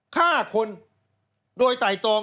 ฆ่าคนโดยไตรตอง